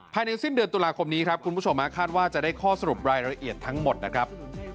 ภายในสิ้นเดือนตุลาคมนี้ครับคุณผู้ชมคาดว่าจะได้ข้อสรุปรายละเอียดทั้งหมดนะครับ